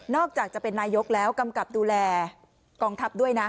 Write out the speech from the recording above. จากจะเป็นนายกแล้วกำกับดูแลกองทัพด้วยนะ